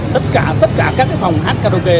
tất cả các phòng hát karaoke